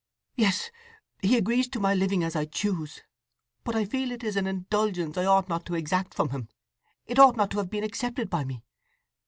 "Yes—he agrees to my living as I choose; but I feel it is an indulgence I ought not to exact from him. It ought not to have been accepted by me.